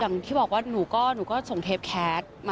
อย่างที่บอกว่าหนูก็ส่งเทปแคส